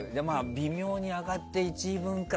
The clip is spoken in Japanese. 微妙に上がって１位分か。